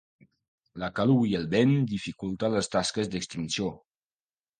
La calor i el vent dificulta les tasques d’extinció.